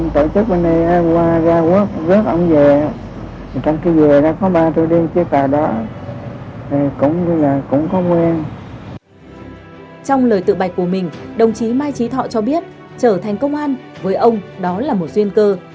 trong lời tự bạch của mình đồng chí mai trí thọ cho biết trở thành công an với ông đó là một duyên cơ